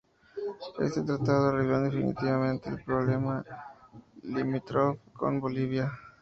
Este Tratado arregló definitivamente el problema limítrofe con Bolivia.